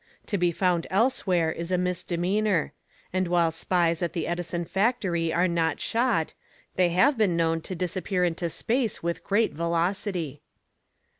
To be found elsewhere is a misdemeanor, and while spies at the Edison factory are not shot, they have been known to disappear into space with great velocity.